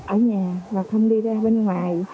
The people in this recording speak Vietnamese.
ở nhà và không đi ra bên ngoài